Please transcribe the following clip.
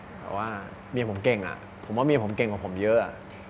แต่ว่าเมียผมเก่งผมว่าเมียผมเก่งกว่าผมเยอะ